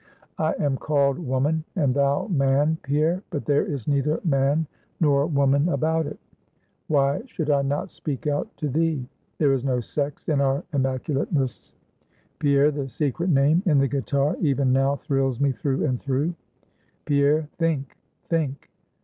"I am called woman, and thou, man, Pierre; but there is neither man nor woman about it. Why should I not speak out to thee? There is no sex in our immaculateness. Pierre, the secret name in the guitar even now thrills me through and through. Pierre, think! think!